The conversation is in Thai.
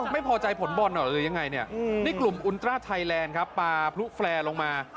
ไม่พอใจผลบอลเหรอหรือยังไงเนี่ยนี่กลุ่มอุณตราไทยแลนด์ครับปลาพลุแฟร์ลงมา